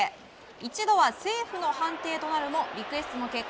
一度はセーフの判定となるもリクエストの結果